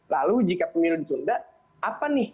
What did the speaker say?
lalu jika pemilu ditunda apa nih